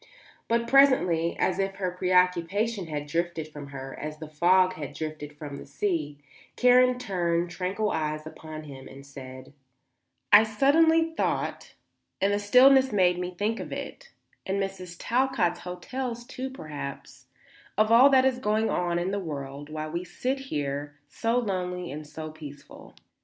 But presently, as if her preoccupation had drifted from her as the fog had drifted from the sea, Karen turned tranquil eyes upon him and said: "I suddenly thought, and the stillness made me think it, and Mrs. Talcott's hotels, too, perhaps, of all that is going on in the world while we sit here so lonely and so peaceful.